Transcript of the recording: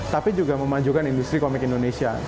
tapi juga memajukan industri komik indonesia